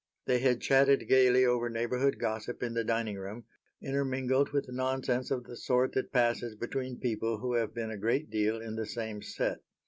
They had chatted gaily over neighborhood gossip in the dining room, intermingled with nonsense of the sort that passes between people who have been a great deal in the same set.